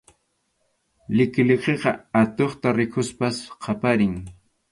Liqiliqiqa atuqta rikuspas qaparin.